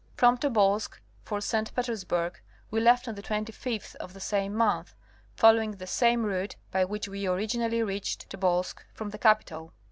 From Tobolsk for St. Peters burg we left on the 25th of the same month, following the same route by which we originally reached Tobolsk from the capital.